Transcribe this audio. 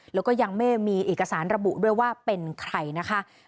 แล้วก็ยังไม่มีเอกสารระบุด้วยว่าเป็นใครนะคะ